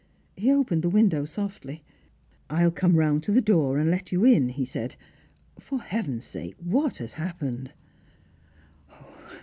He opened the window softly. " I will come round to the door and let you in," he said ;" for Heaven's sake what has hai^pened.